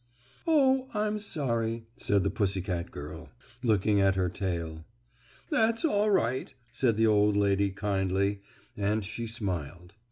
"Oh, I'm sorry," said the pussy girl, looking at her tail. "That's all right," said the old lady kindly, and she smiled.